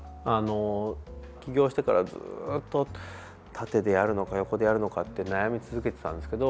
起業してからずっと縦でやるのか横でやるのかって悩み続けてきたんですけど